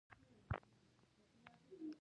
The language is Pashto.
آیا د شپون نی د مینې ساز نه دی؟